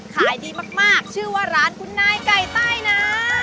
ขายดีมากชื่อว่าร้านคุณนายไก่ใต้นะ